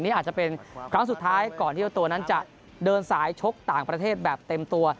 อาจจะเป็นครั้งสุดท้ายก่อนที่เจ้าตัวนั้นจะเดินสายชกต่างประเทศแบบเต็มตัว